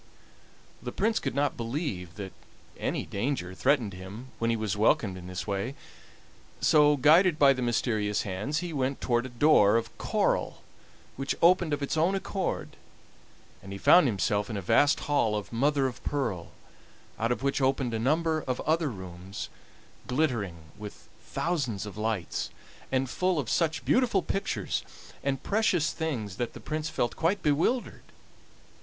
The Prince could not believe that any danger threatened him when he was welcomed in this way, so, guided by the mysterious hands, he went toward a door of coral, which opened of its own accord, and he found himself in a vast hall of mother of pearl, out of which opened a number of other rooms, glittering with thousands of lights, and full of such beautiful pictures and precious things that the Prince felt quite bewildered.